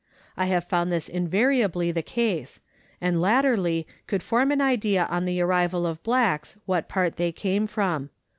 I have found this invariably the case, and latterly could form an idea on the arrival of blacks what part they came from.